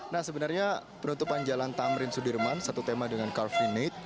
nah sebenarnya penutupan jalan tamrin sudirman satu tema dengan car free night